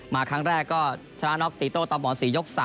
มาครั้งแรกก็ชนะน็อกตีโต้ตอบหมอ๔ยก๓